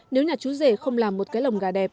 nếu nhà chú rể không làm một cái lồng gà đẹp